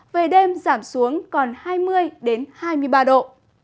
về đêm giảm xuống còn hai mươi hai mươi ba độ